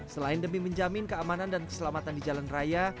selain demi menjamin keamanan dan keselamatan di jalan raya